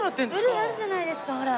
ブルーあるじゃないですかほら。